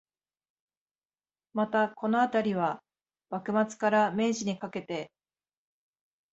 また、このあたりは、幕末から明治にかけて